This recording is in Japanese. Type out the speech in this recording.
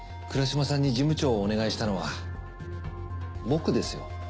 倉嶋さんに事務長をお願いしたのは僕ですよ。